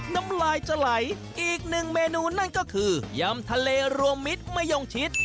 น้ำลายจะไหลอีกหนึ่งเมนูนั่นก็คือยำทะเลรวมมิตรมะยงชิด